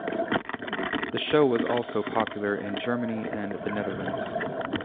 The show was also popular in Germany and the Netherlands.